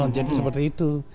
jadi seperti itu